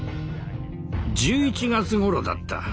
１１月ごろだった。